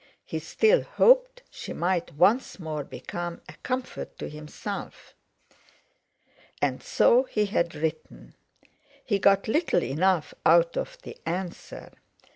He still hoped she might once more become a comfort to himself. And so he had written. He got little enough out of the answer.